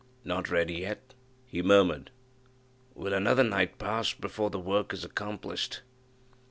"Not ready yet," he murmured; "will another night pass before the work is accomplished?